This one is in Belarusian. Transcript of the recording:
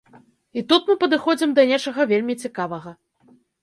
І тут мы падыходзім да нечага вельмі цікавага.